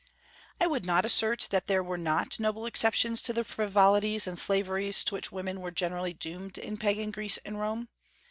I would not assert that there were not noble exceptions to the frivolities and slaveries to which women were generally doomed in Pagan Greece and Rome.